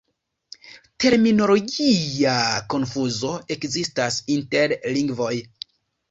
Terminologia konfuzo ekzistas inter lingvoj.